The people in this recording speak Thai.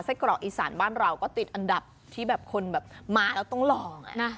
กรอกอีสานบ้านเราก็ติดอันดับที่แบบคนแบบมาแล้วต้องลอง